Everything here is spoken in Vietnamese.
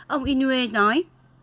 ông inoue nói